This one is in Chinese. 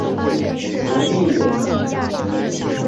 字体可以从韩国铁道公社网站及互联网上免费下载。